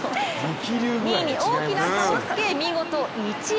２位に大きな差をつけ見事１位。